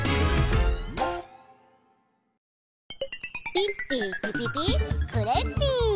ピッピーピピピクレッピー！